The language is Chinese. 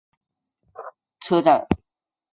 近铁八田站近铁名古屋线之车站。